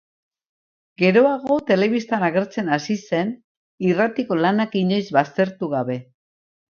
Geroago, telebistan agertzen hasi zen, irratiko lanak inoiz baztertu gabe.